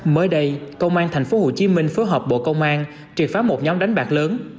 mới đây công an tp hcm phối hợp bộ công an triệt phá một nhóm đánh bạc lớn